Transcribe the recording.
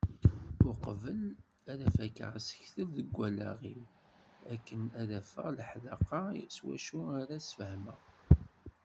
Uqbel ad fakkeɣ asekfel deg wallaɣ-iw akken ad d-afeɣ leḥdaqa s wacu ara as-sfehmeɣ.